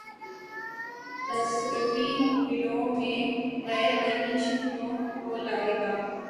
تصرفی بِلوں میں غیرآئینی شقوں کو لائے گا